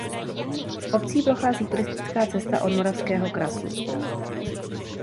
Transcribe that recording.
Obcí prochází turistická cesta do Moravského Krasu.